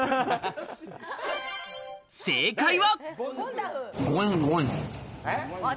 正解は。